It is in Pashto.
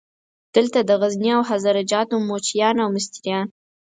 دلته د غزني او هزاره جاتو موچیان او مستریان.